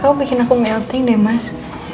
kamu bikin aku melting deh mas